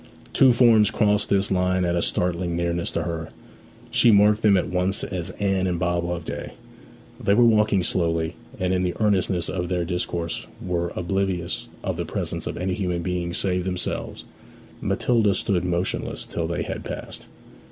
Two forms crossed this line at a startling nearness to her; she marked them at once as Anne and Bob Loveday. They were walking slowly, and in the earnestness of their discourse were oblivious of the presence of any human beings save themselves. Matilda stood motionless till they had passed.